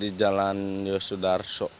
di jalan yosudarso